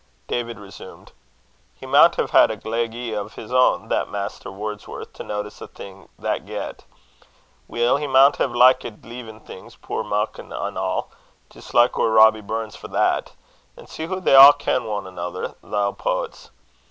David resumed: "He maun hae had a gleg 'ee o' his ain, that Maister Wordsworth, to notice a'thing that get. Weel he maun hae likit leevin' things, puir maukin an' a' jist like our Robbie Burns for that. An' see hoo they a' ken ane anither, thae poets.